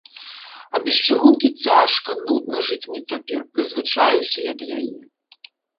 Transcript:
А без чыгункі цяжка, нудна жыць мне цяпер, прызвычаіўся я да яе.